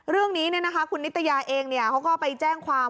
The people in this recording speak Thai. เรื่องนี้คุณนิตยาเองเขาก็ไปแจ้งความ